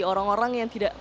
orang orang yang tidak